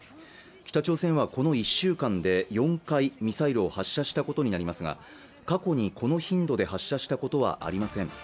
北朝鮮はこの１週間で４回ミサイルを発射したことになりますが過去にこの頻度で発射したことはありません